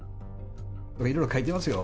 いろいろ書いてますよ。